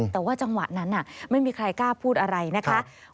แต่ว่าจังหวะนั้นไม่มีใครกล้าพูดอะไรนะคะ